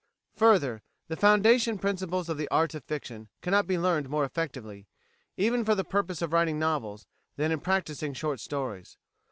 Further, the foundation principles of the art of fiction cannot be learned more effectively, even for the purpose of writing novels, than in practising short stories.